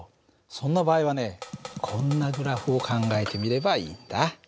そんな場合はねこんなグラフを考えてみればいいんだ。